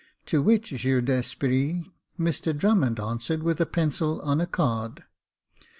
To which Jeu d'esprit Mr Drummond answered with a pencil on a card — J.